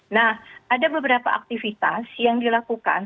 nah ada beberapa aktivitas yang dilakukan